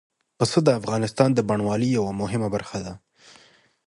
پسه د افغانستان د بڼوالۍ یوه مهمه برخه ده.